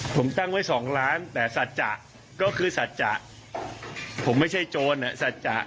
ผมตั้งไว้๒ล้านแต่สัจจะก็คือสัจจะผมไม่ใช่โจรสัจจะ